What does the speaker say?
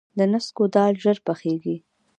د نسکو دال ژر پخیږي.